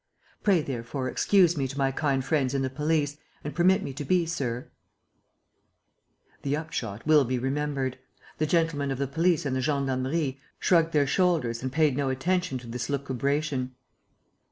"Pray, therefore excuse me to my kind friends in the police and permit me to be, sir, "Your obedient servant, "ARSÈNE LUPIN." The upshot will be remembered. The "gentlemen of the police and the gendarmerie" shrugged their shoulders and paid no attention to this lucubration.